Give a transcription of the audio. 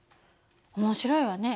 面白いわね。